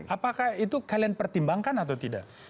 apakah itu kalian pertimbangkan atau tidak